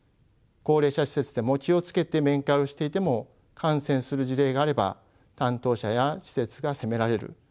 高齢者施設でも気を付けて面会をしていても感染する事例があれば担当者や施設が責められる。